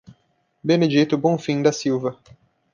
Benedito Bonfim da Silva